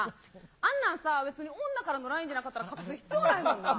あんなんさ、女からのＬＩＮＥじゃなかったら隠す必要ないもんな。